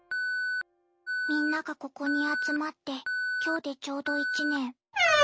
みんながここに集まって今日でちょうど１年。